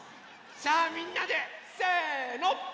さあみんなでせの！